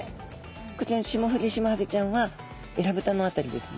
こちらのシモフリシマハゼちゃんはえらぶたの辺りですね